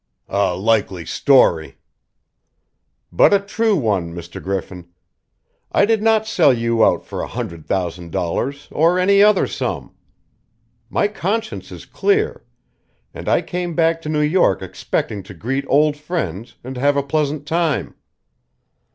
"A likely story!" "But a true one, Mr. Griffin! I did not sell you out for a hundred thousand dollars or any other sum. My conscience is clear, and I came back to New York expecting to greet old friends and have a pleasant time.